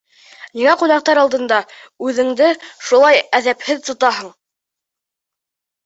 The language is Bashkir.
Ниңә ҡунаҡтар алдында үҙеңде шулай әҙәпһеҙ тотаһың?